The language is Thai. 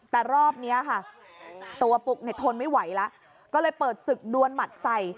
แต่รอบนี้ค่ะตัวปุ๊กเนี่ยทนไม่ไหวแล้วก็เลยเปิดศึกดวนหมัดใส่